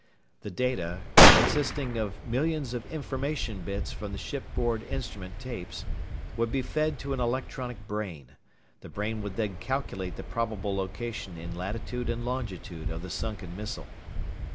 The data consisting of millions of information "bits" from the shipboard instrument tapes would be fed to an electronic brain. The brain would then calculate the probable location in latitude and longitude of the sunken missile.